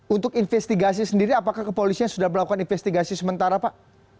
untuk investigasi sendiri apakah kepolisian sudah melakukan investigasi sementara pak